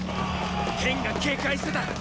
テンが警戒してた！